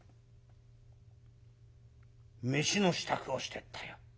「飯の支度をしてったよ。